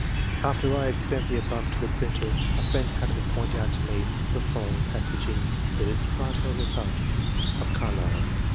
After I had sent the above to the printer, a friend happened to point out to me the fol PREFACE. ix lowing passage in the " Sartor Kesartus '' of Carlyle (Bk.